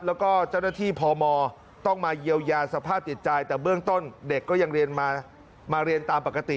แล้วก็เจ้าหน้าที่พมต้องมาเยียวยาสภาพจิตใจแต่เบื้องต้นเด็กก็ยังเรียนมาเรียนตามปกติ